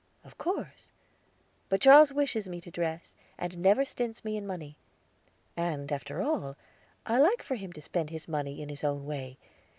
"Of course; but Charles wishes me to dress, and never stints me in money; and, after all, I like for him to spend his money in his own way.